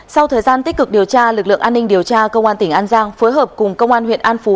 sau thời gian tích cực điều tra lực lượng an ninh điều tra công an tỉnh an giang phối hợp cùng công an huyện an phú